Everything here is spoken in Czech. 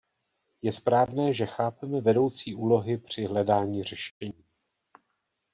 Je správné, že se chápeme vedoucí úlohy při hledání řešení.